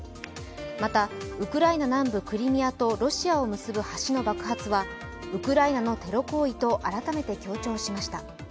またウクライナ南部クリミアとロシアを結ぶ橋の爆発はウクライナのテロ行為と改めて強調しました。